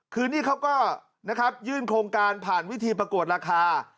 คือนี่เขาก็นะครับยื่นโครงการผ่านวิธีประกวดราคา